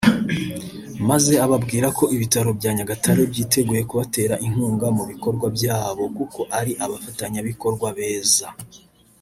maze ababwira ko ibitaro bya Nyagatare byiteguye kubatera inkunga mu bikorwa byabo kuko ari abafatanyabikorwa beza